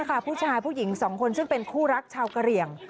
แล้วก็ไปเจอผู้ชายผู้หญิงสองคนซึ่งเป็นคู่รักชาวกะเหลี่ยง